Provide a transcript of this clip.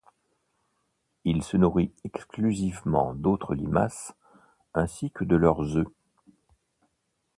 Il se nourrit exclusivement d'autres limaces ainsi que de leurs œufs.